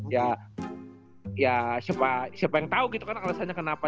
ya siapa yang tau gitu kan alasannya kenapa